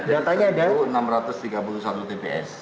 ya jadi seribu enam ratus tiga puluh satu tps